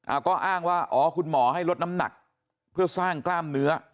ก็อ้างว่าอ๋อคุณหมอให้ลดน้ำหนักเพื่อสร้างกล้ามเนื้อ